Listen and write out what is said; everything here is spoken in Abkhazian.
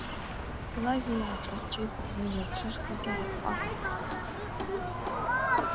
Лажәа иааҿахҵәеит, лылабжышқәагьы аахаҟәҟәалт.